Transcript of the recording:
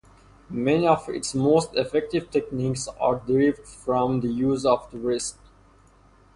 Many of its most effective techniques are derived from the use of the wrist.